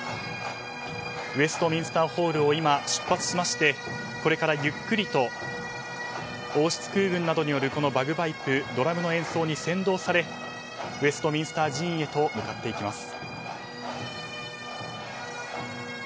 ウェストミンスターホールを今、出発しましてこれから、ゆっくりと王室空軍などによるバグパイプドラムの演奏に先導されウェストミンスター寺院へと向かっていきます。